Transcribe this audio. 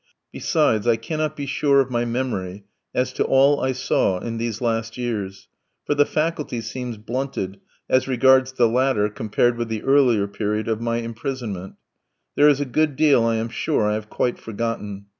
Besides, I cannot be sure of my memory as to all I saw in these last years, for the faculty seems blunted as regards the later compared with the earlier period of my imprisonment, there is a good deal I am sure I have quite forgotten.